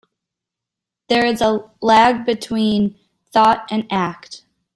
There is a lag between thought and act.